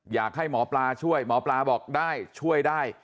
อยากให้หมอปลาช่วยหมอปลาบอกได้ช่วยได้